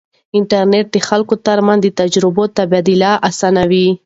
انټرنیټ د خلکو ترمنځ د تجربو تبادله اسانوي.